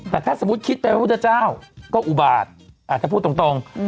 แต่ถ้าสมมุติคิดเป็นพระพุทธเจ้าก็อุบาทถ้าพูดตรง